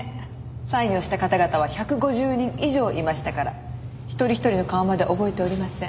サインをした方々は１５０人以上いましたから一人一人の顔まで覚えておりません。